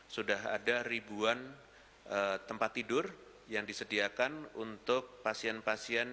sudah ada ribuan tempat tidur yang disediakan untuk pasien pasien